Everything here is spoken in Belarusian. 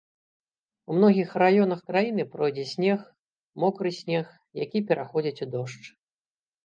У многіх раёнах краіны пройдзе снег, мокры снег, які пераходзіць у дождж.